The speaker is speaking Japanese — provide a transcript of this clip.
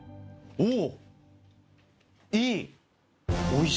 おお。